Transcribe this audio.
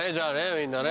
みんなね